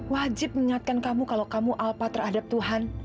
wajib mengingatkan kamu kalau kamu alpa terhadap tuhan